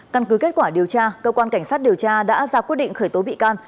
căn cứ kết quả điều tra cơ quan cảnh sát điều tra đã ra quyết định khởi tố bị can